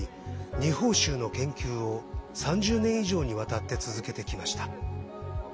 二峰しゅうの研究を３０年以上にわたって続けてきました。